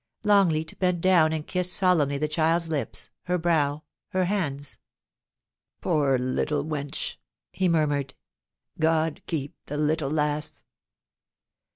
Longleat bent down and kissed solemnly the child's lips, her brow, her hands. ' Poor little wench !' he murmured. ' God keep the little lass!'